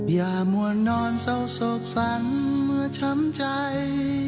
อย่ามัวนอนเศร้าโศกสรรเมื่อช้ำใจ